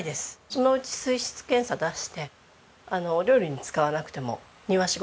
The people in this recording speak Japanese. そのうち水質検査出してお料理に使わなくても庭仕事だったり。